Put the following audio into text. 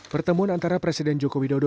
pertemuan antara presiden joko widodo